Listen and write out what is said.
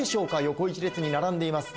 横一列に並んでいます。